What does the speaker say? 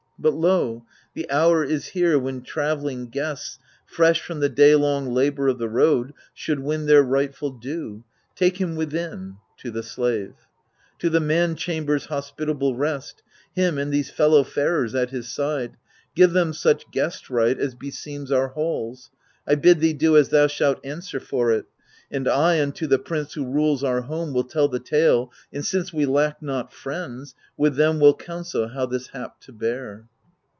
But lo ! the hour is here when travelling guests. Fresh from the daylong labour of the road. Should win their rightful due. Take him within [ To the slave. To the man chamber's hospitable rest — Him and these fellow farers at his side ; Give them such guest right as beseems our halls ; I bid thee do as thou shalt answer for it. And I unto the prince who rules our home Will tell the tale, and, since we lack not friends, With them will counsel how this hap to bear.